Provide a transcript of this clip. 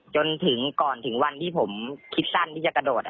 จนถึงก่อนถึงวันที่ผมคิดสั้นที่จะกระโดด